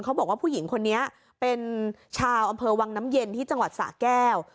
เขาบอกว่าผู้หญิงคนนี้เป็นชาวอำเภอวังน้ำเย็นที่จังหวัดสะแก้ว